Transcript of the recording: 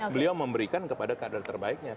beliau memberikan kepada kader terbaiknya